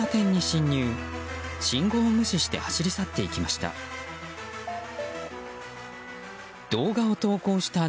信号を無視して走り去っていきました。